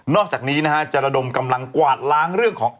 อกจากนี้นะฮะจะระดมกำลังกวาดล้างเรื่องของ